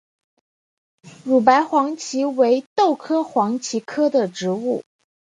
乳白黄耆为豆科黄芪属的植物。